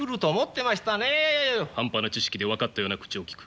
半端な知識で分かったような口をきく。